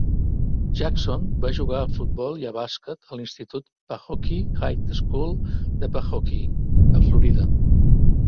Jackson va jugar a futbol i a bàsquet a l'institut Pahokee High School de Pahokee, a Florida.